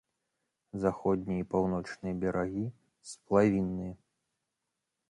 Заходнія і паўночныя берагі сплавінныя.